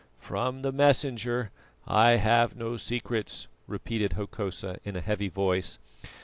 "From the Messenger I have no secrets," repeated Hokosa in a heavy voice.